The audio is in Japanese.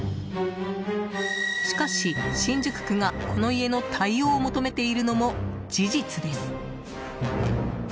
しかし、新宿区がこの家の対応を求めているのも事実です。